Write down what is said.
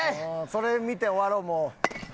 それ見て終わろうもう。